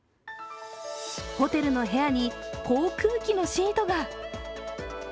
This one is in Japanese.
ホテルの部屋に航空機のシートが。